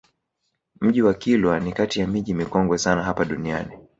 Mji wa Kilwa ni kati ya miji mikongwe sana hapa duniani